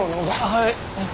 はい。